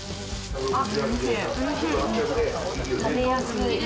食べやすい。